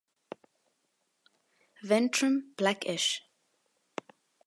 Ventrum blackish.